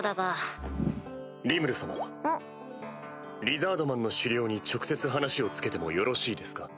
リザードマンの首領に直接話をつけてもよろしいですか？